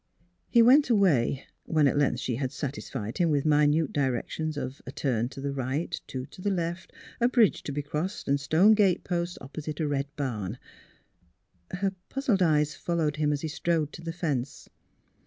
He went away, when at length she had satisfied him with minute directions of a turn to the right, two to the left, a bridge to be crossed, and stone gate posts, opposite a red barn. Her puzzled eyes followed him as he strode to the fence.